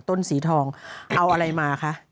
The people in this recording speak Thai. ต้นสีทองเอาอะไรมาคะ